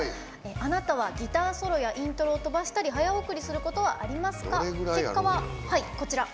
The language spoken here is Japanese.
「あなたはギターソロやイントロをとばしたり早送りすることはありますか？」。